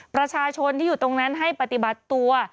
ประชาชนที่อยู่ตรงนั้นให้ปฏิบัติตัว